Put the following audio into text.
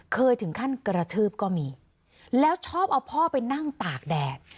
เคยถึงขั้นกระทืบก็มีแล้วชอบเอาพ่อไปนั่งตากแดด